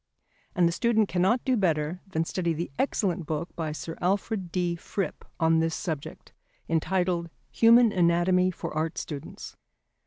And the student cannot do better than study the excellent book by Sir Alfred D. Fripp on this subject, entitled Human Anatomy for Art Students.